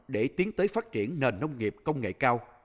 để tiến tới phát triển nền nông nghiệp công nghệ cao